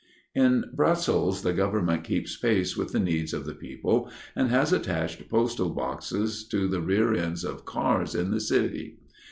In Brussels the government keeps pace with the needs of the people, and has attached postal boxes to the rear ends of cars in the city.